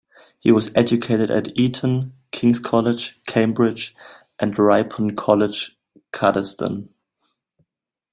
He was educated at Eton, King's College, Cambridge and Ripon College Cuddesdon.